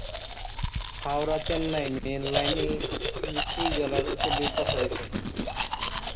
Howrah Chennai main line এই জেলার উপর দিয়ে প্রসারিত।